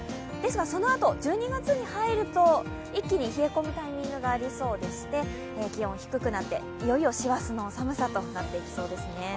そのあと１２月に入ると、一気に冷え込むタイミングがありそうで気温、低くなって、いよいよ師走の寒さとなっていきそうです。